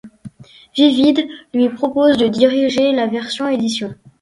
Vivid lui propose de diriger la version édition.